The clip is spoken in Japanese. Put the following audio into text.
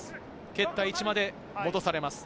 蹴った位置まで戻されます。